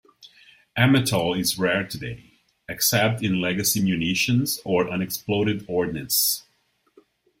Amatol is rare today, except in legacy munitions or unexploded ordnance.